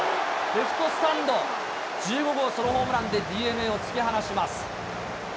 レフトスタンド、１５号ソロホームランでＤｅＮＡを突き放します。